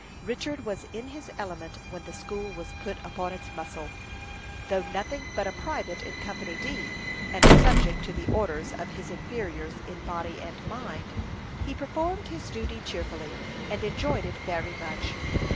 Richard was in his element when the school was put upon its muscle. Though nothing but a private in Company D, and subject to the orders of his inferiors in body and mind, he performed his duty cheerfully, and enjoyed it very much.